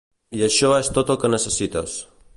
I això és tot el que necessites.